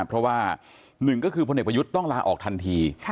เพราะว่าหนึ่งก็คือพลเอกประยุทธ์ต้องลาออกทันที